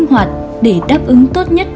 hoạt để đáp ứng tốt nhất